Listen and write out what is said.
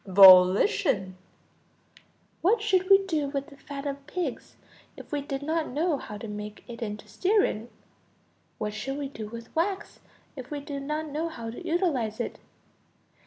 Volition. What should we do with the fat of pigs if we did not know how to make it into stearine? What should we do with wax if we did not know how to utilize it?